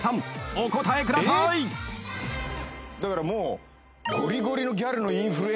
お答えください］だからもうごりごりの。